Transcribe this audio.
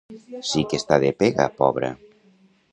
Si que està de pega, pobra.